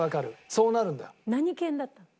そうなるんだよ。